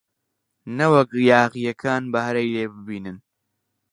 نەوەک یاغییەکان بەهرەی لێ ببینن!